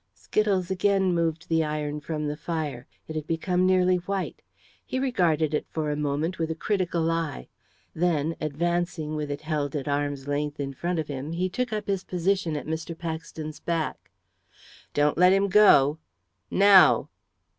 Skittles again moved the iron from the fire. It had become nearly white. He regarded it for a moment with a critical eye. Then, advancing with it held at arm's length in front of him, he took up his position at Mr. Paxton's back. "Don't let him go. Now!"